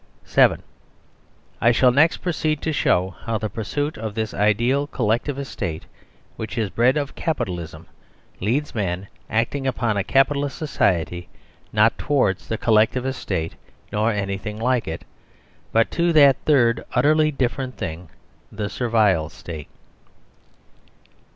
(7) I shall next proceed to show how the pursuit of this ideal Collectivist State which is bred of Capi talism leads men acting upon a Capitalist society not towards the Collectivist State nor anything likeit, but to that third utterly differentthing the Servile State.